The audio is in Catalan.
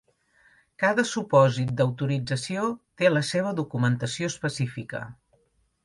Cada supòsit d'autorització té la seva documentació específica.